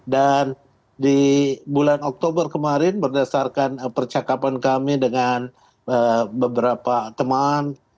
dan di bulan oktober kemarin berdasarkan percakapan kami dengan beberapa teman